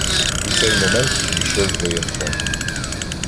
У цей момент підійшов воєнком.